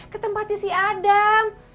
ke tempatnya si adam